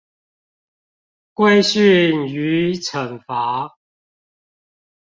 規訓與懲罰